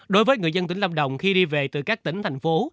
đối với người dân tỉnh lâm đồng khi đi về từ các tỉnh thành phố